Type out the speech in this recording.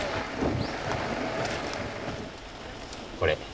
これ。